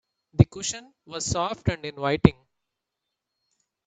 The cushion was soft and inviting.